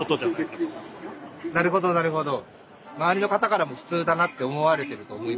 なるほどなるほど。